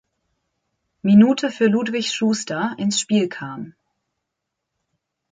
Minute für Ludwig Schuster, ins Spiel kam.